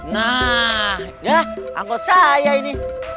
nah ya angkut saya ini